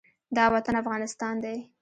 دا وطن افغانستان دی